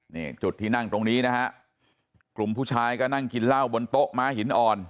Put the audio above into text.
นี่จุดที่นั่งตรงนี้นะฮะกลุ่มผู้ชายก็นั่งกินเหล้าบนโต๊ะม้าหินอ่อน